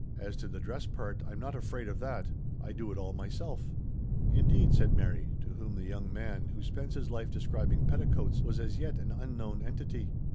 As to the dress part, I'm not afraid of that. I do it all myself." " Indeed ?" said Mary, to whom the young *■ 142 THE STORY OF A MODERN WOMAN. man who spends his life describing petticoats was as yet an unknown entity.